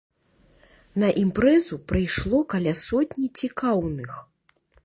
На імпрэзу прыйшло каля сотні цікаўных.